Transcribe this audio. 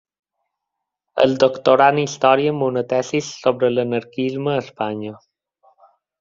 Es doctorà en Història amb una tesi sobre l'anarquisme a Espanya.